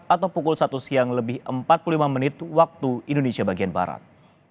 atau pukul satu siang lebih empat puluh lima menit waktu indonesia bagian barat